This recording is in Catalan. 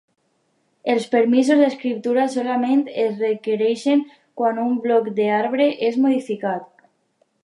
Els permisos d'escriptura solament es requereixen quan un bloc de l'arbre és modificat.